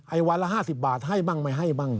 วันละ๕๐บาทให้บ้างไม่ให้บ้าง